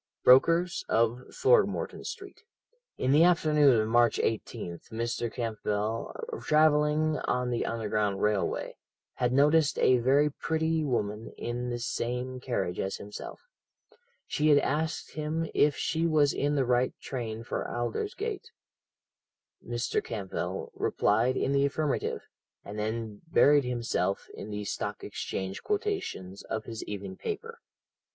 brokers, of Throgmorton Street. "In the afternoon of March 18th Mr. Campbell, travelling on the Underground Railway, had noticed a very pretty woman in the same carriage as himself. She had asked him if she was in the right train for Aldersgate. Mr. Campbell replied in the affirmative, and then buried himself in the Stock Exchange quotations of his evening paper.